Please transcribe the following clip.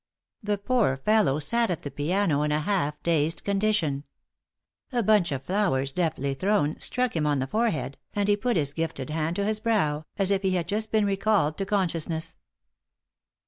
The poor fellow sat at the piano in a half dazed condition. A bunch of flowers, deftly thrown, struck him on the forehead, and he put his gifted hand to his brow as if he had just been recalled to consciousness.